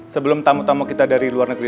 sebelum tamu tamu kita dari luar negeri